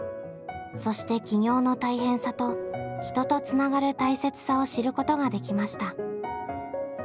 そして起業の大変さと人とつながる大切さを知ることができました。